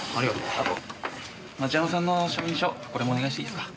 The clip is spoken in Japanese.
あと町山さんの社員証これもお願いしていいですか？